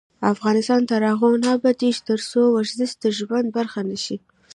افغانستان تر هغو نه ابادیږي، ترڅو ورزش د ژوند برخه نشي.